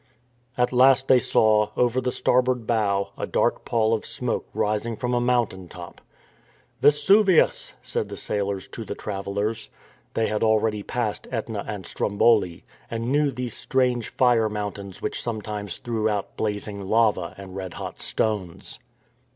^ At last they saw, over the starboard bow, a dark pall of smoke rising from a mountain top. " Vesuvius," said the sailors to the travellers. They had already passed Etna and Stromboli, and knew these strange fire mountains which sometimes threw out blazing lava and red hot stones.